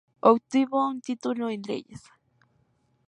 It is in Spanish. Obtuvo un título en leyes.